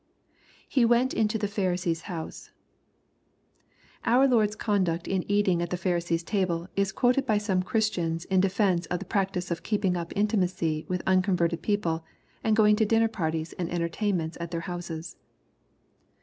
[He went into the Pharisees house.] Our Lord's conduct in eating at the Pharisee's table, is quoted by some Christians in defence of the practice of keeping up intimacy with unconverted people, and going to dinner parties and entertainments at their houses.